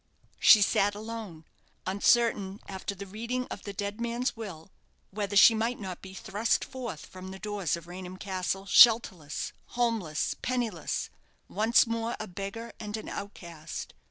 She sat alone, uncertain, after the reading of the dead man's will, whether she might not be thrust forth from the doors of Raynham Castle, shelterless, homeless, penniless, once more a beggar and an outcast.